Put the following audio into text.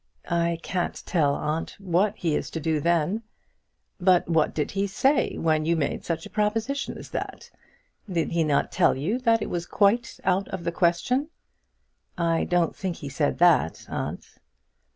"I can't tell, aunt, what he is to do then." "But what did he say when you made such a proposition as that? Did he not tell you that it was quite out of the question?" "I don't think he said that, aunt."